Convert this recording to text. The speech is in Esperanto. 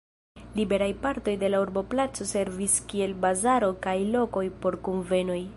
Liberaj partoj de la urboplaco servis kiel bazaro kaj lokoj por kunvenoj.